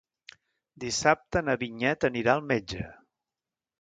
Dissabte na Vinyet anirà al metge.